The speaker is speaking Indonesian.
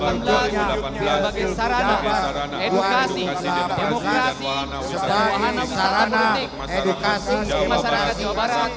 biar bagai sarana edukasi demokrasi sebagai sarana edukasi masyarakat jawa barat